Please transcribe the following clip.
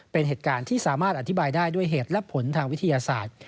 เป็นเหตุการณ์ที่สามารถอธิบายได้ด้วยเหตุและผลทางวิทยาศาสตร์